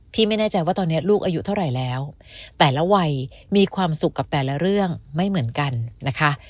ไม่แน่ใจว่าตอนนี้ลูกอายุเท่าไหร่แล้วแต่ละวัยมีความสุขกับแต่ละเรื่องไม่เหมือนกันนะคะ